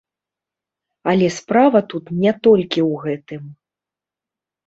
Але справа тут не толькі ў гэтым.